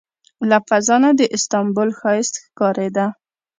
له فضا نه د استانبول ښایست ښکارېده.